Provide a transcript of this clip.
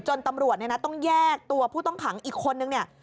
จนตำรวจต้องแยกตัวผู้ต้องขังอีกคนนึงเนี่ย